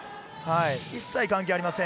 一切、関係ありません。